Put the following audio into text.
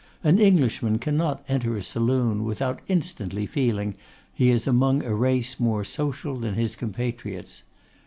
An Englishman cannot enter a saloon without instantly feeling he is among a race more social than his compatriots.